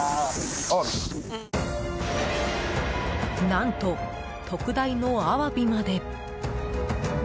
何と、特大のアワビまで。